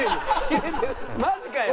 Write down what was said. マジかよ！